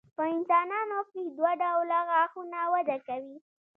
په انسانانو کې دوه ډوله غاښونه وده کوي.